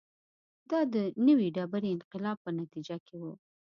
دا د نوې ډبرې انقلاب په نتیجه کې و